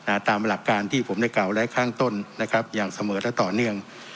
ตามหลักการที่ผมได้กล่าวไว้ข้างต้นนะครับอย่างเสมอและต่อเนื่อง